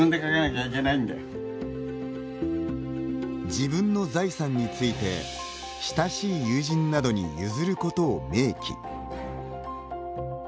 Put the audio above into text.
自分の財産について親しい友人などに譲ることを明記。